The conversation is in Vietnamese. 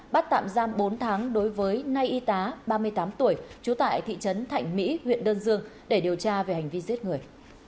bắt tạm giam bốn tháng đối với nay y tá ba mươi tám tuổi trú tại thị trấn thạnh mỹ huyện đơn dương để điều tra về hành vi giết người